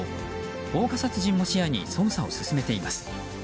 放火殺人も視野に捜査を進めています。